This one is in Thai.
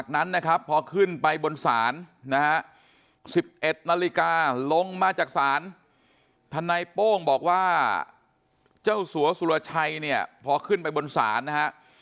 ๑๑นาฬิกาลงมาจากศาลธนายโป้งบอกว่าเจ้าสัวสุรชัยเนี่ยพอขึ้นไปบนศาลนะฮะ